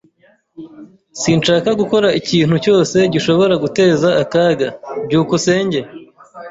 Sinshaka gukora ikintu cyose gishobora guteza akaga. byukusenge